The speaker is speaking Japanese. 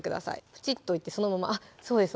プチッといってそのままそうです